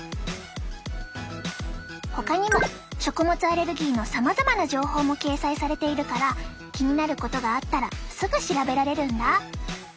ほかにも食物アレルギーのさまざまな情報も掲載されているから気になることがあったらすぐ調べられるんだ。